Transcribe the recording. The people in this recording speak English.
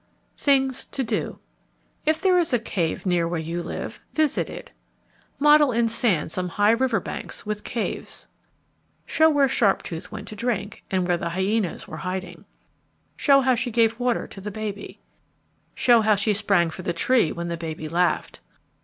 THINGS TO DO If there is a cave near where you live, visit it. Model in sand some high river banks with caves. Show where Sharptooth went to drink, and where the hyenas were hiding. Show how she gave water to the baby. _Show how she sprang for the tree when the baby laughed.